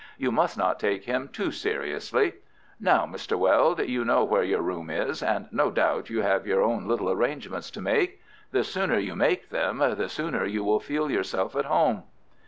"You must not take him too seriously. Now, Mr. Weld, you know where your room is, and no doubt you have your own little arrangements to make. The sooner you make them the sooner you will feel yourself at home."